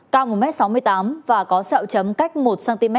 cao một m sáu mươi tám và có sẹo chấm cách một cm